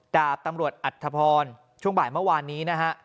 ดาบตำรวจอัธพรช่วงบ่ายเมื่อวานนี้นะฮะ